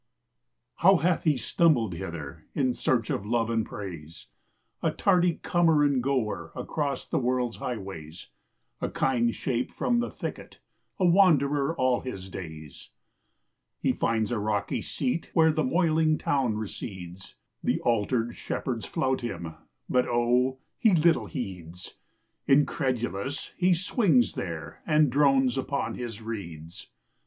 HOW hath he stumbled hither, in search of love and praise, A tardy comer and goer across the world's highways, A kind shape from the thicket, a wanderer all his days? He finds a rocky seat where the moiling town recedes: The altered shepherds flout him; but O he little heeds! Incredulous he swings there, and drones upon his reeds.